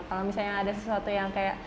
kalau misalnya ada sesuatu yang kayak